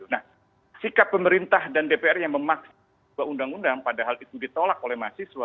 nah sikap pemerintah dan dpr yang memaksa dua undang undang padahal itu ditolak oleh mahasiswa